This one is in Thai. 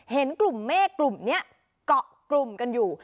เห็นกลุ่มเมฆกลุ่มนี้เกาะกลุ่มกันอยู่